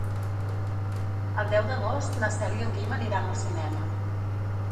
El deu d'agost na Cel i en Guim aniran al cinema.